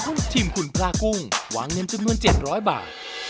พรุ่งทิมขุนปลากุ้งวางเน้นจนเมื่อเจ็ดร้อยบาท